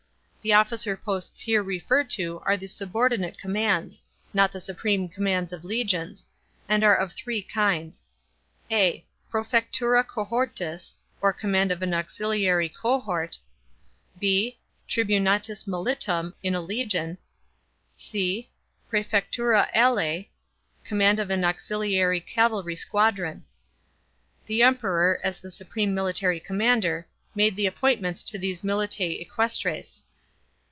The officer posts here referred to are the subordinate commands — not the supreme commands of legions — and are of three kinds : (a) prcefectura cohortis, or command of an auxiliary cohort, (fc) tribunatus militum, in a legion, (c) prcefectura alee, command of an auxiliary cavalry squadron. The Emperor, as the supreme military commander, made the appointments to these militix equestres.